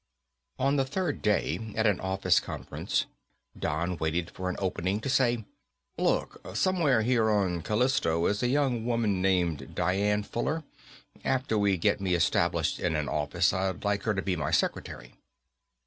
On the third day, at an office conference, Don waited for an opening to say, "Look, somewhere here on Callisto is a young woman named Dian Fuller. After we get me established in an office, I'd like her to be my secretary."